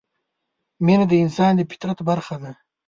مینه د انسان د فطرت برخه ده.